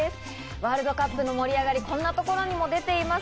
ワールドカップの盛り上がり、こんなところにも出ています。